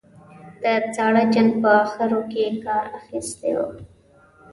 د ساړه جنګ په اخرو کې کار اخیستی و.